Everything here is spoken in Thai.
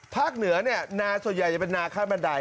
เหนือเนี่ยนาส่วนใหญ่จะเป็นนาขั้นบันได